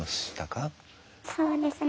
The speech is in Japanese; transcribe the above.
そうですね。